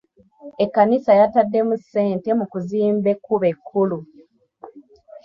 Ekkanisa yataddemu ssente mu kuzimba ekkubo ekkulu.